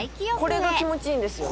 「これが気持ちいいんですよね？」